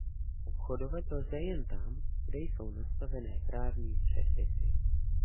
Obchodovat lze jen tam, kde jsou nastavené právní předpisy.